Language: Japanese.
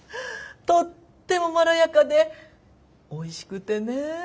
とってもまろやかでおいしくてねえ。